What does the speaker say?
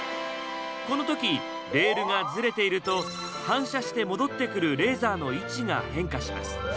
この時レールがズレていると反射して戻ってくるレーザーの位置が変化します。